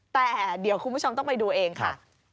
แต่เดี๋ยวคุณผู้ชมต้องไปดูเองค่ะ